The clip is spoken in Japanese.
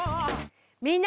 みんな！